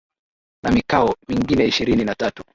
na mikoa mingine ishirini na tatu